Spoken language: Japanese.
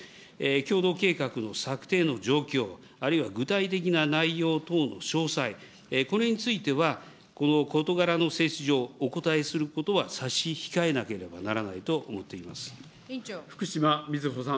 共同計画の策定の状況、あるいは具体的な内容等の詳細、これについては、この事柄の性質上、お答えすることは差し控えなければな福島みずほさん。